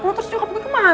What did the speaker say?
lu terus nyokap gue kemana